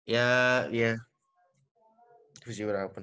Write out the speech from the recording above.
ya iya di sini berapapun